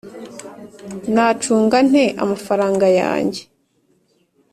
Nacunga nte amafaranga yanjye